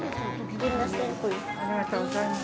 ありがとうございます。